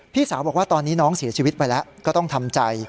พี่สาวบอกว่าตอนนี้น้องเสียชีวิตไปแล้วก็ต้องทำใจ